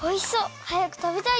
はやくたべたいです！